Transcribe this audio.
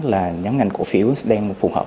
là nhóm ngành cổ phiếu đang phù hợp